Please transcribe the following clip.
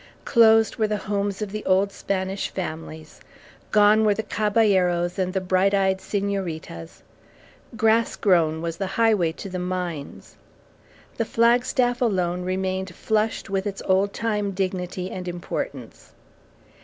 Closed were the homes of the old Spanish families; gone were the caballeros and the bright eyed señoritas; grass grown was the highway to the mines; the flagstaff alone remained flushed with its old time dignity and importance.